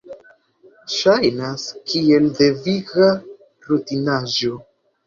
Ŝajnas kiel deviga rutinaĵo.